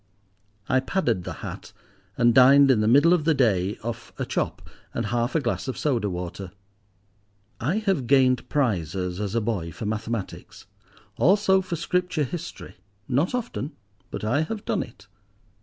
I padded the hat, and dined in the middle of the day off a chop and half a glass of soda water. I have gained prizes as a boy for mathematics, also for scripture history—not often, but I have done it.